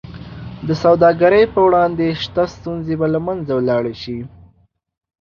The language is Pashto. د سوداګرۍ پر وړاندې شته ستونزې به له منځه ولاړې شي.